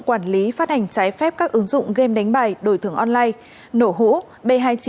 quản lý phát hành trái phép các ứng dụng game đánh bài đổi thưởng online nổ hũ b hai mươi chín